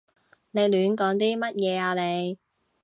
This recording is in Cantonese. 你亂講啲乜嘢啊你？